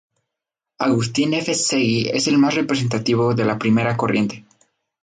Agustín F. Seguí es el más representativo de la primera corriente.